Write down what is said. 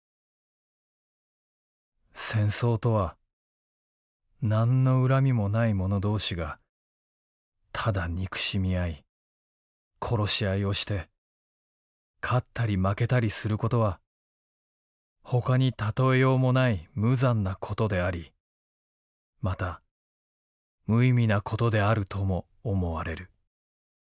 「戦争とは何の恨みもない者同士がただ憎しみ合い殺し合いをして勝ったり負けたりすることはほかに例えようもない無残なことでありまた無意味なことであるとも思われる。